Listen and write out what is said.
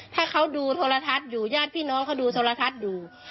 ถ้าเขาดูโทรทัศน์อยู่ญาติพี่น้องเขาดูโทรทัศน์อยู่